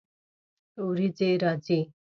ورېځې راځي